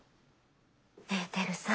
ねえ輝さん。